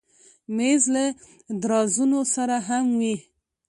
مېز له درازونو سره هم وي.